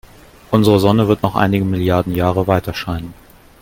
Unsere Sonne wird noch einige Milliarden Jahre weiterscheinen.